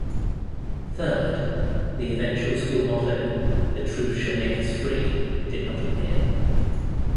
Third, the eventual school motto, "The Truth Shall Make Us Free" did not appear.